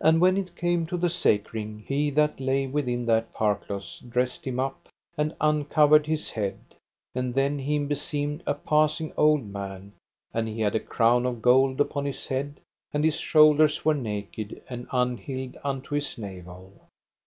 And when it came to the sacring, he that lay within that parclos dressed him up, and uncovered his head; and then him beseemed a passing old man, and he had a crown of gold upon his head, and his shoulders were naked and unhilled unto his navel.